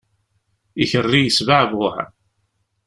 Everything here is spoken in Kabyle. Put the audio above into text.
Ikerri yesbeɛbuɛ.